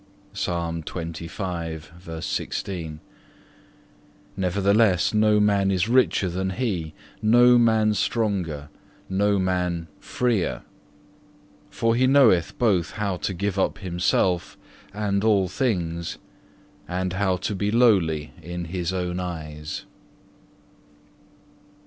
(2) Nevertheless, no man is richer than he, no man stronger, no man freer. For he knoweth both how to give up himself and all things, and how to be lowly in his own eyes.